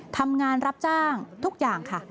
ทำงานรับจ้างทุกอย่างค่ะ